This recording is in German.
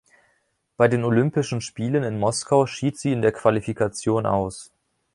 Bei den Olympischen Spielen in Moskau schied sie in der Qualifikation aus.